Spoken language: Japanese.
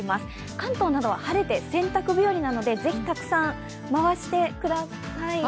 関東などは晴れて洗濯日和なのでぜひたくさん回してください。